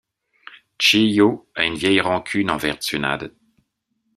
Chiyo a une vieille rancune envers Tsunade.